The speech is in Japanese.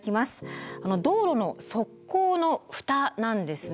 道路の側溝のふたなんですね。